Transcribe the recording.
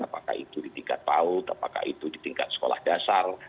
apakah itu di tingkat paut apakah itu di tingkat sekolah dasar